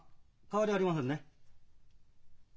変わりありませんね？